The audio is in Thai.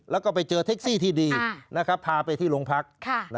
แล้วก็ไปเจอเท็กซี่ที่ดีพาไปที่โรงพัก